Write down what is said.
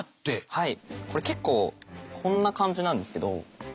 はい。